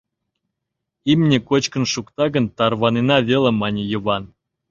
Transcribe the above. — Имне кочкын шукта гын, тарванена веле, — мане Йыван.